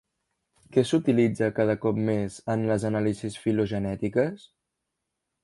Què s'utilitza cada cop més en les anàlisis filogenètiques?